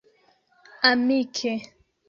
amike